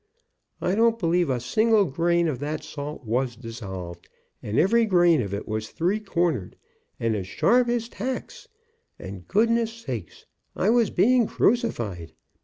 I don't believe a single grain of that salt was dissolved, and every grain of it was three cornered, and as sharp as tacks, and goodness sakes, I was being crucified.